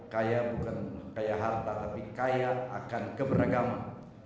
kaya bukan kaya harta tapi kaya akan keberagaman